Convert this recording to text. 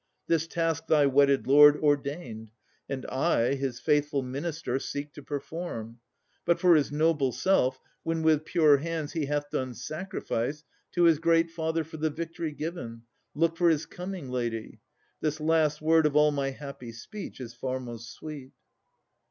This task thy wedded lord Ordained, and I, his faithful minister, Seek to perform. But, for his noble self, When with pure hands he hath done sacrifice To his Great Father for the victory given, Look for his coming, lady. This last word Of all my happy speech is far most sweet.